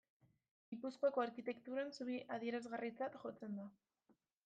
Gipuzkoako arkitekturan zubi adierazgarritzat jotzen da.